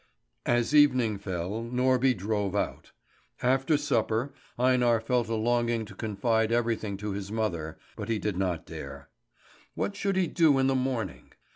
As evening fell, Norby drove out. After supper, Einar felt a longing to confide everything to his mother, but he did not dare. What should he do in the morning?